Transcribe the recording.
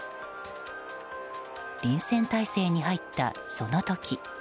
臨戦態勢に入ったその時。